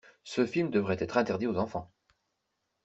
Ce film devrait être interdit aux enfants.